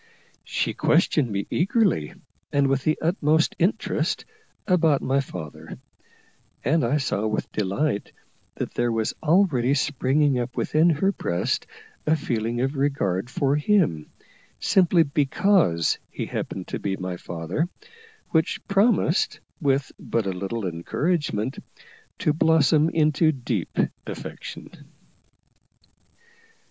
She questioned me eagerly, and with the utmost interest, about my father; and I saw with delight that there was already springing up within her breast a feeling of regard for him, simply because he happened to be my father, which promised, with but a little encouragement, to blossom into deep affection.